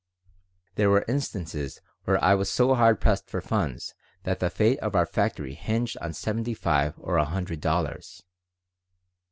There were instances when I was so hard pressed for funds that the fate of our factory hinged on seventy five or a hundred dollars.